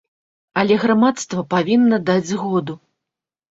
Але грамадства павінна даць згоду.